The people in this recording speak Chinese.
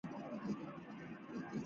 飞将的升级棋。